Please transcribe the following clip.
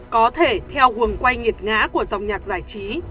có thể theo quần quay nghiệt ngã của dòng nhạc giải trí